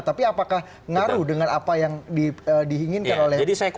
tapi apakah ngaruh dengan apa yang dihinginkan oleh pemerintah